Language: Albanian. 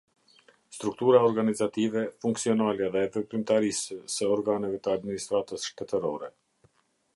Struktura organizative, funksionale dhe e veprimtarisë së organeve të administratës shtetërore.